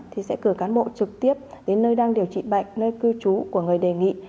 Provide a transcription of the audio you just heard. thì sẽ cử cán bộ trực tiếp đến nơi đang điều trị bệnh nơi cư trú của người đề nghị